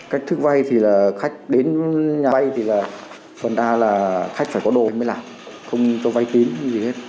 cách thức vay thì là khách đến nhà vay thì là phần đa là khách phải có đồ mới làm không cho vay tín gì hết